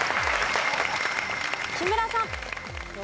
木村さん。